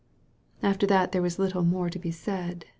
After that there was little more to be said.